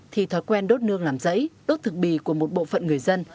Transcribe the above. thì thói quen đốt nương làm rẫy đốt thực bì của một bộ phận người dân